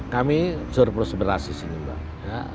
kami surplus beras di sini mbak